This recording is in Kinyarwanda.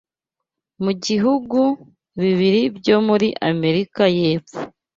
mubihugu bibiri byo muri Amerika yepfo